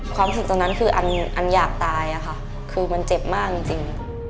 ความรู้สึกตอนนั้นคืออันอยากตายค่ะคือมันเจ็บมากจริง